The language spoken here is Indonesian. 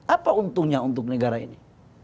apa untungnya untuk negara ini